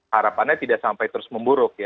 harapannya tidak sampai terus memburuk ya